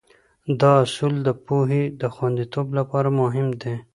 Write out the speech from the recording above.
دا اصول د پوهې د خونديتوب لپاره مهم دي.